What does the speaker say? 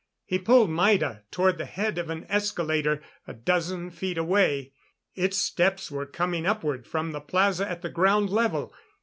He pulled Maida toward the head of an escalator a dozen feet away. Its steps were coming upward from the plaza at the ground level.